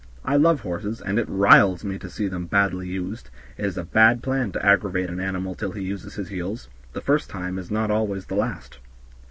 I love horses, and it riles me to see them badly used; it is a bad plan to aggravate an animal till he uses his heels; the first time is not always the last."